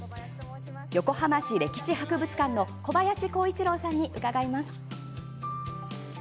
横浜市歴史博物館の小林光一郎さんに伺います。